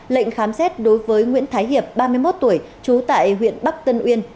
lệnh khám xét đối với nguyễn thái hiệp ba mươi một tuổi trú tại huyện bắc tân uyên